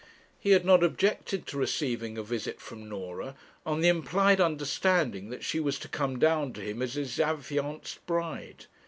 He had not objected to receiving a visit from Norah, on the implied understanding that she was to come down to him as his affianced bride.